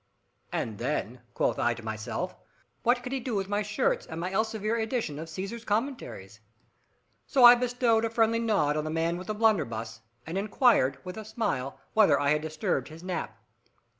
"And then," quoth I to myself, "what could he do with my shirts and my Elzevir edition of Caesar's Commentaries?" So I bestowed a friendly nod on the man with the blunderbuss, and inquired, with a smile, whether I had disturbed his nap.